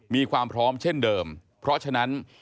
มีความพร้อมเช่นเดิมเพราะฉะนั้น